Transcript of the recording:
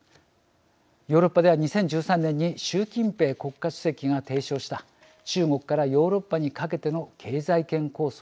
ヨーロッパでは、２０１３年に習近平国家主席が提唱した中国からヨーロッパにかけての経済圏構想